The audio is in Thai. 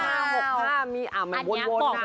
หรือ๓๕๖๕มีอ่ะมันวน